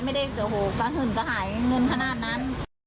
ไม่ได้โอ้โหกระหึ่นกระหายเงินขนาดนั้น